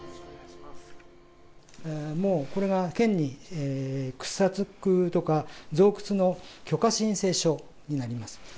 もうこれが県に、掘削とか増掘の許可申請書になります。